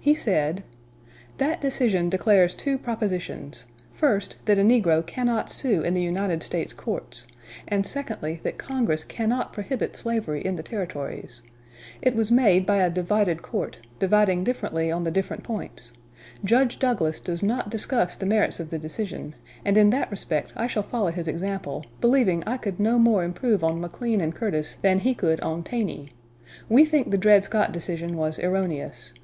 He said: "That decision declares two propositions first, that a negro cannot sue in the United States courts; and secondly, that Congress cannot prohibit slavery in the Territories. It was made by a divided court dividing differently on the different points. Judge Douglas does not discuss the merits of the decision, and in that respect I shall follow his example, believing I could no more improve on McLean and Curtis than he could on Taney.... We think the Dred Scott decision was erroneous.